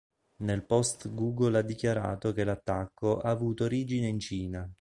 Nel post Google ha dichiarato che l'attacco ha avuto origine in Cina.